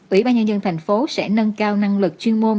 ủy ban nhân dân thành phố sẽ nâng cao năng lực chuyên môn